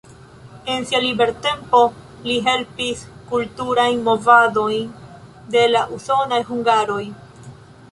En sia libertempo li helpis kulturajn movadojn de la usonaj hungaroj.